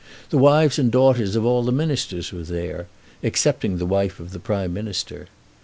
The wives and daughters of all the ministers were there, excepting the wife of the Prime Minister.